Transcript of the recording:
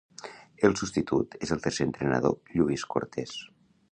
El substitut és el tercer entrenador Lluís Cortés.